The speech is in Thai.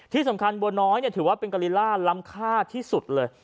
ที่สำคัญบัวน้อยถือว่าเป็นกะลิล่าล้ำค่าที่สุดเลย